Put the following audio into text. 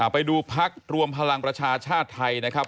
ไปดูพักรวมพลังประชาชาติไทยนะครับ